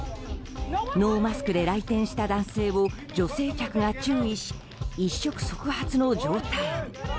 ノーマスクで来店した男性を女性客が注意し一触即発の状態に。